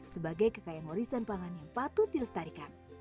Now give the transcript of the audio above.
sebagai kekayaan warisan pangan yang patut dilestarikan